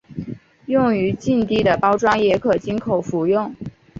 用于静滴的包装也可经口服用。